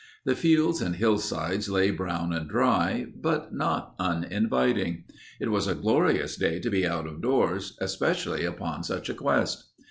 The fields and hillsides lay brown and dry, but not uninviting. It was a glorious day to be out of doors, especially upon such a quest.